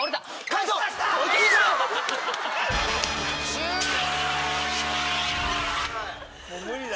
終了！